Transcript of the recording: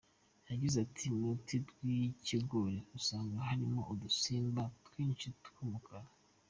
Yagize ati “Mu ruti rw’ikigori usanga harimo udusimba twinshi tw’umukara.